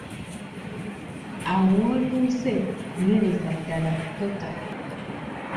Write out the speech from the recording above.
Awo w'otuuse nywereza ddala tota.